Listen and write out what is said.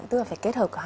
tức là phải kết hợp hai